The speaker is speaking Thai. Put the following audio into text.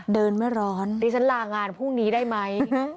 ดิฉันลางานพรุ่งนี้ได้ไหม